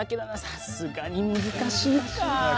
さすがに難しいか。